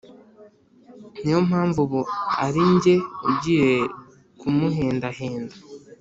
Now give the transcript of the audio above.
Ni yo mpamvu ubu ari jye ugiye kumuhendahenda,